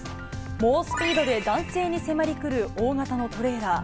猛スピードで男性に迫りくる大型のトレーラー。